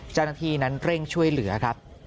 เจ้าหน้าที่นั้นเร่งช่วยเหลือครับ